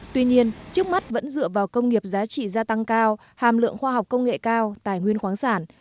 tuy nhiên trước mắt vẫn dựa vào công nghiệp giá trị gia tăng cao hàm lượng khoa học công nghệ cao tài nguyên khoáng sản